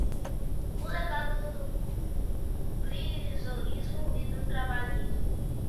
O legado do brizolismo e do trabalhismo